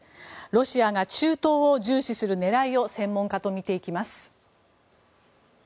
ロシアが中東を重視する狙いを専門家と見ていきます。